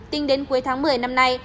tính đến cuối tháng một mươi năm nay